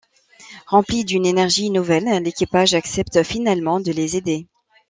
Rempli d'une énergie nouvelle, l'équipage accepte finalement de les aider.